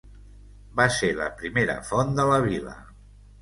Va ser la primera font de la vila.